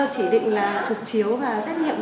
chỉ định là trục chiếu và xét nghiệm